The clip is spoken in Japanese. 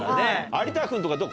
有田君とかどう？